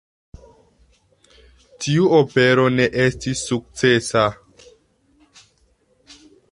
Tiu opero ne estis sukcesa.